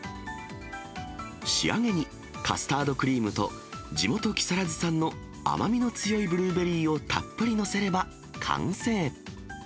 仕上げに、カスタードクリームと、地元、木更津産の甘みの強いブルーベリーをたっぷり載せれば完成。